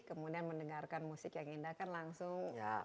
kemudian mendengarkan musik yang indah kan langsung